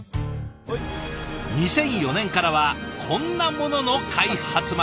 ２００４年からはこんなものの開発まで。